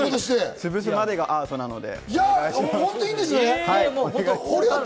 つぶすまでがアートなので。